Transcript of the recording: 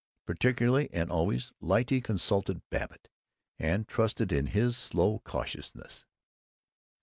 Particularly and always Lyte consulted Babbitt, and trusted in his slow cautiousness.